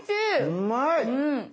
うまいっ！